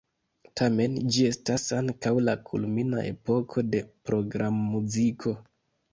Tamen ĝi estas ankaŭ la kulmina epoko de programmuziko.